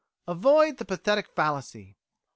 Avoid the pathetic fallacy.